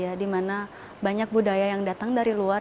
ya di mana banyak budaya yang datang dari luar